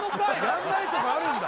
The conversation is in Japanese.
やんないとかあるんだ